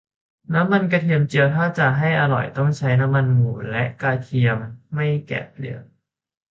น้ำมันกระเทียมเจียว ถ้าจะให้อร่อยต้องใช้น้ำมันหมู และกระเทียมไม่แกะเปลือก